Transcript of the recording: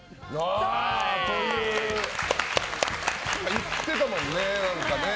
いってたもんね、何か。